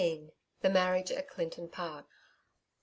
THE MABBIAGE AT CLINTON PARE.